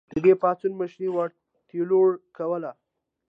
د دې پاڅون مشري واټ تایلور کوله.